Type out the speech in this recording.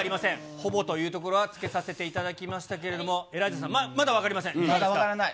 ほぼというところはつけさせていただきましたけれども、エライザさん、まだ分からない。